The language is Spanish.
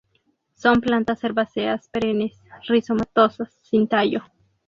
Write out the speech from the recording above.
Son plantas herbáceas perennes, rizomatosas, sin tallo.